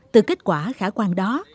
từ kết quả khả quan đó